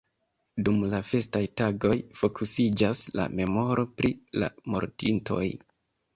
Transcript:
Dum la festaj tagoj fokusiĝas la memoro pri la mortintoj.